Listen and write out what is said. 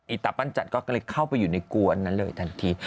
ตาปั้นจัดก็เลยเข้าไปอยู่ในกลัวอันนั้นเลยทันที